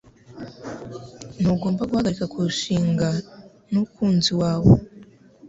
Ntugomba guhagarika kurushinga n'ukunzi wawe.